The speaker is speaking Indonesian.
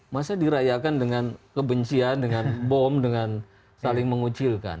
masa dirayakan dengan kebencian dengan bom dengan saling mengucilkan